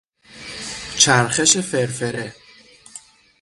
چرخش فرفره